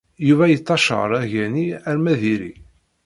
Yuba yettacaṛ aga-nni arma d iri.